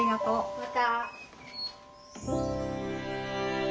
また。